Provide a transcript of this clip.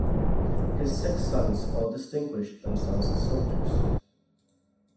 His six sons all distinguished themselves as soldiers.